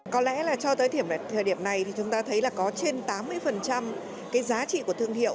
có lẽ là cho tới thời điểm này thì chúng ta thấy là có trên tám mươi cái giá trị của thương hiệu